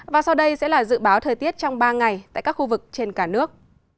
và sau đây sẽ là dự báo thời tiết trong ba ngày tại các khu vực trên cả nước